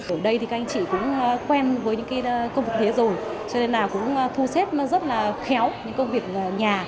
ở đây thì các anh chị cũng quen với những công việc thế rồi cho nên là cũng thu xếp rất là khéo những công việc nhà